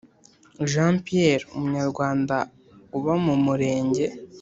Jean pierre umunyarwanda uba mu murenge